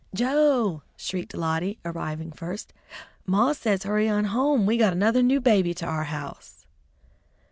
"Joe!" shrieked Lottie, arriving first, "Maw says hurry on home; we got another new baby to our house."